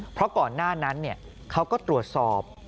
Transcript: เพราะก่อนหน้านั้นเขาก็ตรวจสอบ